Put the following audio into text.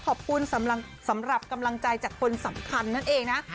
ขอบคุณสำหรับกำลังใจจากคนสำคัญนั่นเองนะ